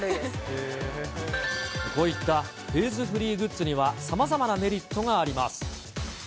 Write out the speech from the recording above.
こういったフェーズフリーグッズには、さまざまなメリットがあります。